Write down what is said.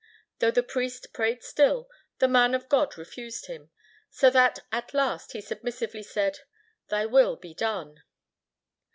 Though the priest prayed still, the Man of God refused him, so that at last he submissively said, "Thy will be done."